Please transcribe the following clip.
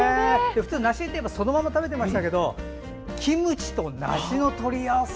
普通、梨っていえばそのまま食べてましたけどキムチと梨の取り合わせ